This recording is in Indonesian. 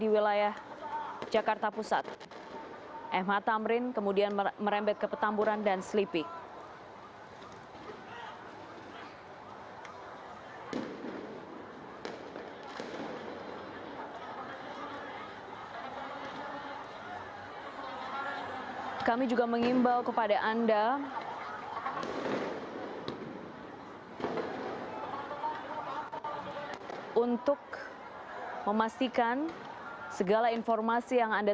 polisi memberikan peringatan kepada pengunjuk rasa